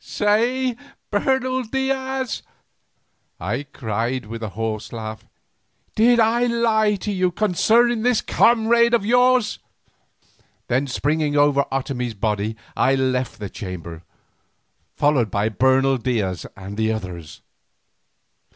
"Say, Bernal Diaz," I cried, with a hoarse laugh, "did I lie to you concerning this comrade of yours?" Then, springing over Otomie's body I left the chamber, followed by Bernal Diaz and the others.